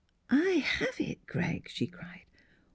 " I have it, Greg! " she cried.